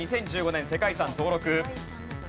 ２０１５年世界遺産登録。